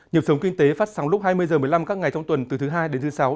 nhiệm sống kinh tế phát sóng lúc hai mươi h một mươi năm các ngày trong tuần từ thứ hai đến thứ sáu